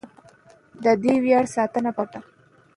د دې ویاړ ساتنه پکار ده.